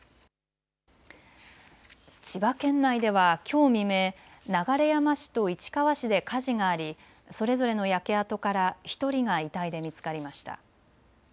千葉県内ではきょう未明、流山市と市川市で火事がありそれぞれの焼け跡から１人が遺体で見つかりました。